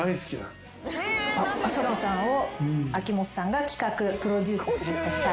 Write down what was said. あさこさんを秋元さんが企画プロデュースするとしたら。